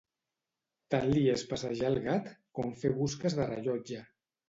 Tant li és passejar el gat com fer busques de rellotge.